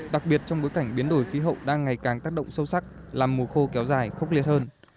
đặc biệt trong bối cảnh biến đổi khí hậu đang ngày càng tác động sâu sắc làm mùa khô kéo dài khốc liệt hơn